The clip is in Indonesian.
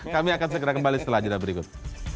kami akan segera kembali setelah jadwal berikut